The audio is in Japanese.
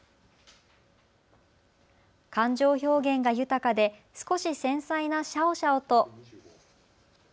感情表現が豊かで少し繊細なシャオシャオと。